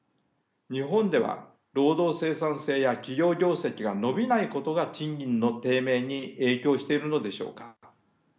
日本では労働生産性や企業業績が伸びないことが賃金の低迷に影響しているのでしょうか。